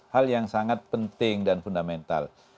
hal yang sangat penting dan fundamental